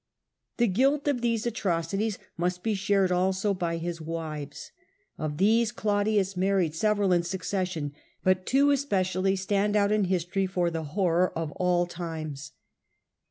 The guilt of these atrocities must be shared also by his wives. Of these Claudius married several ...,• 11 1 • His wives. m succession, but two especially stand out in history for the horror of all times.